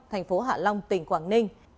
thành phố hạ long tỉnh quảng ninh